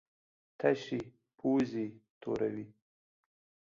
تشې پوزې توروي.